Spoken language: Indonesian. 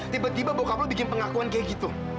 tiba tiba bokap lu bikin pengakuan kaya gitu